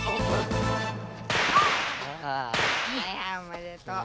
おめでとう！